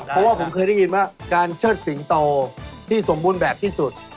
เพราะว่าผมเคยได้ยินว่าการเชิดสิงโตที่สมบูรณ์แบบที่สุด